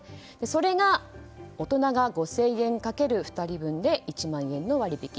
それが大人が５０００円かける２人分で１万円の割引。